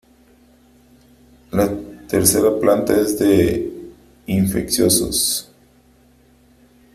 La tercera planta es de infecciosos.